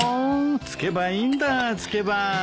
つけばいいんだつけば。